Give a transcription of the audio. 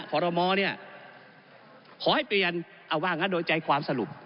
ขอรมอเนี่ยขอให้เปลี่ยนเอาว่างั้นโดยใจความสรุป